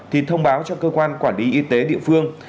thì thông báo cho cơ quan quản lý y tế địa phương